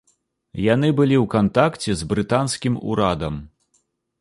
Яны былі ў кантакце з брытанскім урадам.